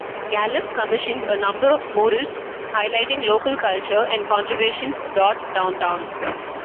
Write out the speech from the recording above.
Gallup commissioned a number of murals highlighting local culture and contributions dot downtown.